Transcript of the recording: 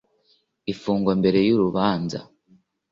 ifungwa mbere y urubanza